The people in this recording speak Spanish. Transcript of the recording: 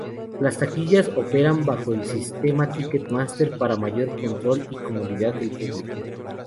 Las taquillas operan bajo el sistema Ticketmaster para mayor control y comodidad del público.